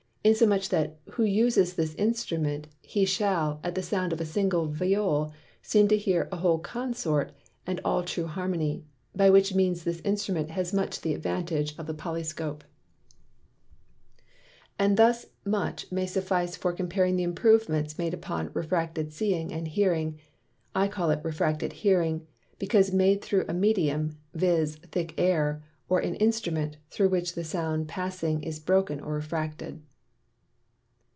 Insomuch, that who uses this Instrument, he shall, at the Sound of a single Viol, seem to hear a whole Consort and all true Harmony. By which means this Instrument has much the advantage of the Polyscope. And thus much may suffice for comparing the Improvements made upon Refracted Seeing and Hearing; I call it Refracted Hearing, because made through a Medium, viz. thick Air, or an Instrument, through which the Sound passing is broken or refracted.